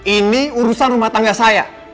ini urusan rumah tangga saya